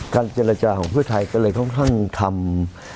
การเจรจาของเพื่อไทยก็เลยต้องทำ